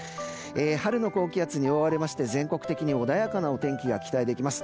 春の高気圧に覆われまして全国的に穏やかなお天気が期待できます。